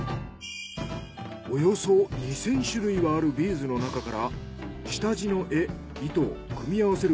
およそ２，０００種類はあるビーズの中から下地の絵糸組み合わせる